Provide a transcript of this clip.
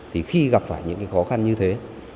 thì khi gặp phải những cái khó khăn như thế